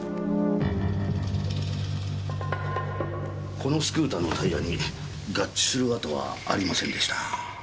このスクーターのタイヤに合致する跡はありませんでした。